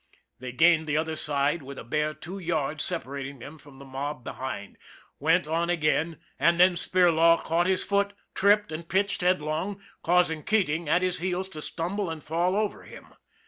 They gained the other side with a bare two yards separating them from the mob behind, went on again and then Spirlaw caught his foot, tripped and pitched headlong, causing Keating, at his heels, to stumble and fall over him.